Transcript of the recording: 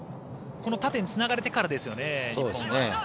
この縦につながれてからですよね。